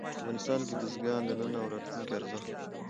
افغانستان کې بزګان د نن او راتلونکي ارزښت لري.